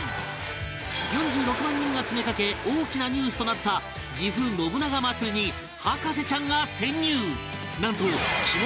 ４６万人が詰めかけ大きなニュースとなったぎふ信長まつりに博士ちゃんが潜入！